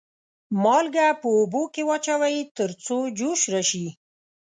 مالګه په اوبو کې واچوئ تر څو جوش راشي.